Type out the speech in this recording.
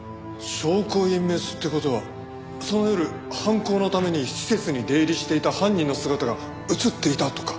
証拠隠滅って事はその夜犯行のために施設に出入りしていた犯人の姿が映っていたとか？